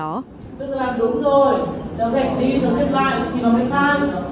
tôi đã làm đúng rồi rồi thêm đi rồi thêm lại thì mà mới sang